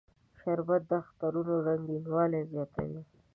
شربت د اخترونو رنگینوالی زیاتوي